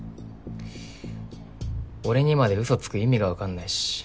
俺にまでうそつく意味がわかんないし。